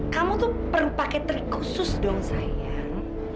kamu tuh perlu pakai trik khusus dong sayang